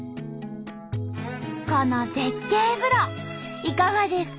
この絶景風呂いかがですか？